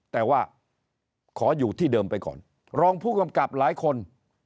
แต่ว่าขออยู่ที่เดิมไปก่อนรองผู้กำกับหลายคน